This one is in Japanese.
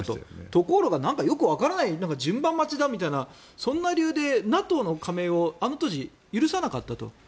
ところがよくわからない順番待ちだみたいなそんな理由でＮＡＴＯの加盟をあの当時、許さなかったと。